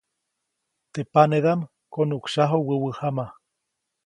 Teʼ panedaʼm konuʼksyaju wäwä jama.